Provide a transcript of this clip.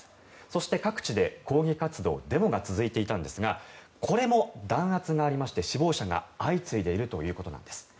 そして、各地で抗議活動デモが続いていたんですがこれも弾圧がありまして死亡者が相次いでいるということなんです。